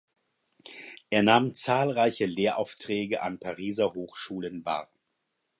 Er nahm zahlreiche Lehraufträge an Pariser Hochschulen wahr.